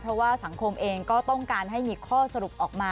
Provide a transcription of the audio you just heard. เพราะว่าสังคมเองก็ต้องการให้มีข้อสรุปออกมา